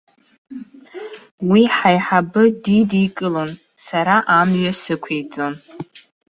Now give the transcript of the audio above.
Уи ҳаиҳабы дидикылон, сара амҩа сықәиҵон.